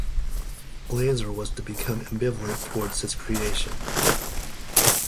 Glazer was to become ambivalent towards his creation.